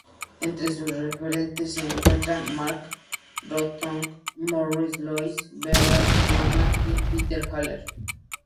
Entre sus referentes se encuentran Mark Rothko, Morris Louis, Barnett Newman y Peter Halley.